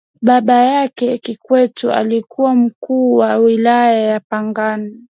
baba yake kikwete alikuwa mkuu wa wilaya ya pangani